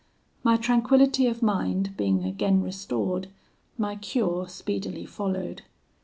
"My tranquillity of mind being again restored, my cure speedily followed.